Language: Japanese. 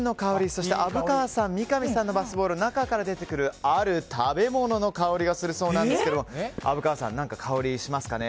そして虻川さん、三上さんのバスボールは中から出てくるある食べ物の香りがするそうなんですが虻川さん、何か香りしますか？